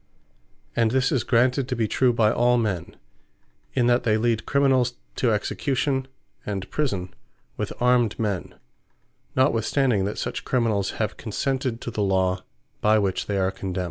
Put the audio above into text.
And this is granted to be true by all men, in that they lead Criminals to Execution, and Prison, with armed men, notwithstanding that such Criminals have consented to the Law, by which they are condemned.